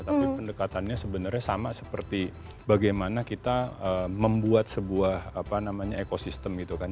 tapi pendekatannya sebenarnya sama seperti bagaimana kita membuat sebuah apa namanya ekosistem gitu kan